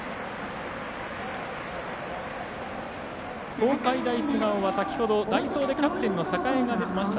東海大菅生は先ほど代走でキャプテンの榮が出ました。